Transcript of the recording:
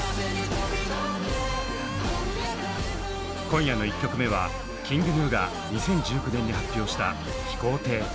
今夜の１曲目はＫｉｎｇＧｎｕが２０１９年に発表した「飛行艇」。